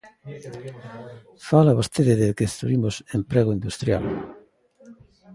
Fala vostede de que destruímos emprego industrial.